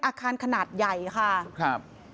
อาคารขนาดใหญ่ค่ะ